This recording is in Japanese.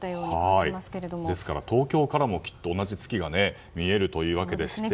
東京からも同じ月が見えるというわけでして。